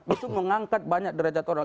itu mengangkat banyak derajat orang